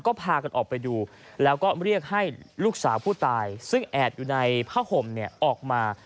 ก็พากันออกไปดูแล้วก็เรียกให้ลูกสาวผู้ตายซึ่งแอบอยู่ในผ้าห่มเนี่ยออกมา